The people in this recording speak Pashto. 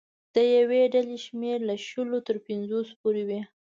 د یوې ډلې شمېر له شلو تر پنځوسو پورې وي.